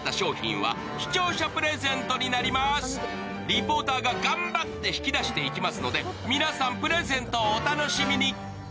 リポーターが頑張って引き出していきますので、皆さん、プレゼントをお楽しみに。